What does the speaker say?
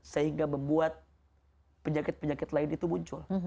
sehingga membuat penyakit penyakit lain itu muncul